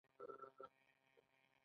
د اوزون پرت الټراوایلټ وړانګې بندوي.